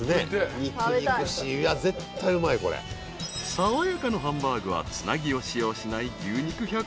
［さわやかのハンバーグはつなぎを使用しない］